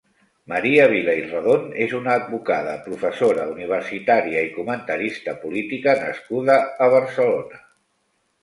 Maria Vila i Redon és una advocada, professora universitària i comentarista política nascuda a Barcelona.